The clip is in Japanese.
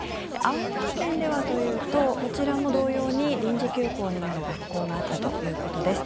青森県ではというとこちらも同様に臨時休校になる学校があったということです。